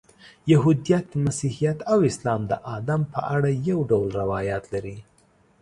یهودیت، مسیحیت او اسلام د آدم په اړه یو ډول روایات لري.